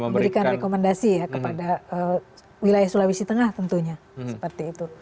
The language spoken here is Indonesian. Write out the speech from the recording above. memberikan rekomendasi ya kepada wilayah sulawesi tengah tentunya seperti itu